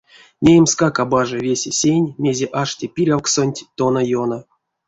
Неемскак а бажи весе сень, мезе ашти пирявксонть тона ёно.